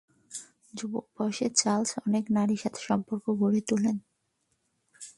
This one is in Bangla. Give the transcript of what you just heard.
যুবক বয়সে চার্লস অনেক নারীর সাথে সম্পর্ক গড়ে তোলেন।